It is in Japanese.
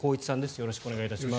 よろしくお願いします。